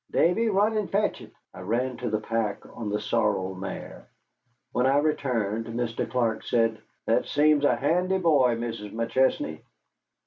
Davy, run and fetch it." I ran to the pack on the sorrel mare. When I returned Mr. Clark said: "That seems a handy boy, Mrs. McChesney."